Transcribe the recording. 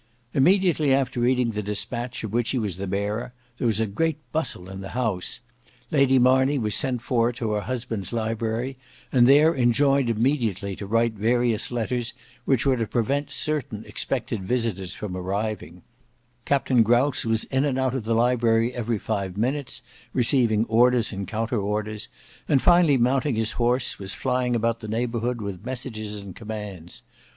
Immediately after reading the despatch of which he was the bearer, there was a great bustle in the house; Lady Marney was sent for to her husband's library and there enjoined immediately to write various letters which were to prevent certain expected visitors from arriving; Captain Grouse was in and out the same library every five minutes, receiving orders and counter orders, and finally mounting his horse was flying about the neighbourhood with messages and commands.